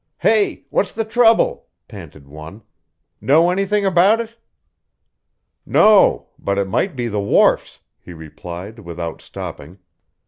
"Hey, what's the trouble?" panted one. "Know anything about it?" "No, but it might be the wharfs," he replied, without stopping.